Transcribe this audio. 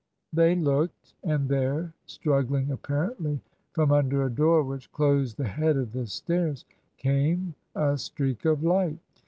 They looked. And there, struggling apparently from under a door which closed the head of the stairs, came a streak of light.